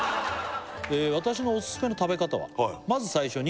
「私のオススメの食べ方はまず最初に」